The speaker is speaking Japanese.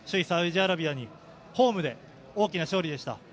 サウジアラビアにホームで大きな勝利でした。